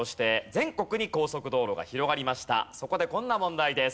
そこでこんな問題です。